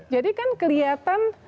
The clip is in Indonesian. jadi kan kelihatan